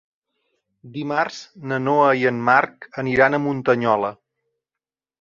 Dimarts na Noa i en Marc aniran a Muntanyola.